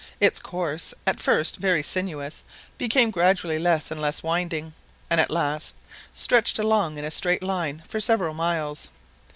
Its course, at first very sinuous, became gradually less and less winding, and at last stretched along in a straight line for several miles.